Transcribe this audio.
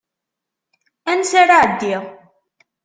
Ansa ara ɛeddiɣ?